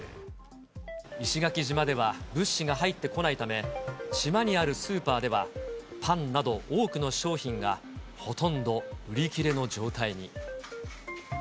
石垣島では物資が入ってこないため、島にあるスーパーでは、パンなど多くの商品がほとんど売り切れの状態に。